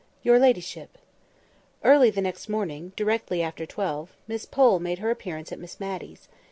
"YOUR LADYSHIP" EARLY the next morning—directly after twelve—Miss Pole made her appearance at Miss Matty's.